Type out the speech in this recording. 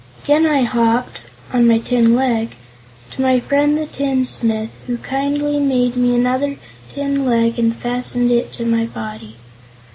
Again I hopped on my tin leg to my friend the tinsmith, who kindly made me another tin leg and fastened it to my body.